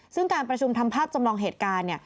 ซึ่งการประชุมทำภาพจำลองเหตุการณ์